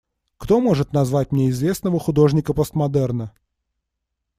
Кто может назвать мне известного художника постмодерна?